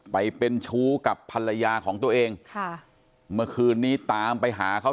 ไปเป็นชู้กับภรรยาของตัวเองค่ะเมื่อคืนนี้ตามไปหาเขา